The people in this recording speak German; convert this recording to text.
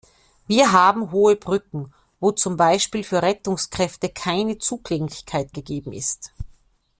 Wir haben hohe Brücken, wo zum Beispiel für Rettungskräfte keine Zugänglichkeit gegeben ist.